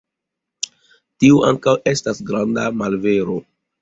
Tio ankaŭ estas granda malvero.